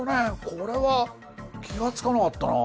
これは気が付かなかったな。